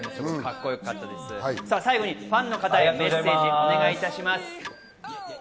最後にファンの方へメッセージをお願いします。